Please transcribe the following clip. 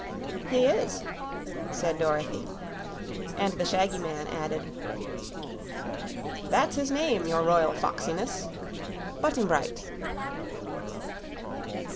"He is," said Dorothy; and the shaggy man added: "That's his name, your Royal Foxiness Button Bright."